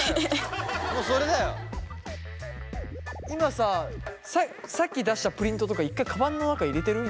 今ささっき出したプリントとか一回カバンの中入れてる？